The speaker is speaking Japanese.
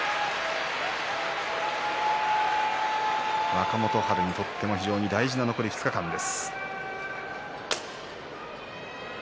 若元春にとっても非常に大事な残り２日間です。